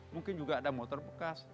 mungkin juga ada motor bekas